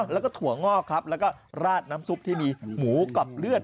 แล้วก็ถั่วงอกครับแล้วก็ราดน้ำซุปที่มีหมูกับเลือด